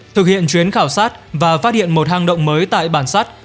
thực hiện chuyến khảo sát và phát hiện một hang động mới tại bản sắt